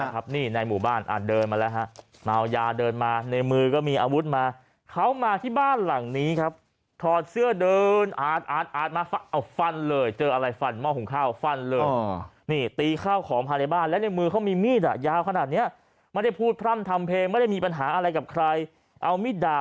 ทะเลาะเครื่องสภาพนะครับม่อหุงข้าวก้าวอี้เครื่องสภาพทะเลาะกับเขาหมด